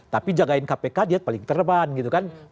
tapi jagain kpk dia paling terdepan gitu kan